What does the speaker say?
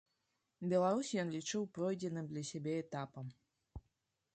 Беларусь ён лічыў пройдзеным для сябе этапам.